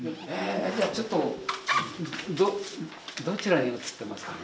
じゃあちょっとどちらに写ってますか？